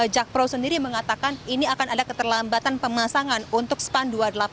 jakpro sendiri mengatakan ini akan ada keterlambatan pemasangan untuk span dua puluh delapan